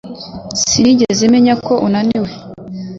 Sinigeze menya ko unaniwe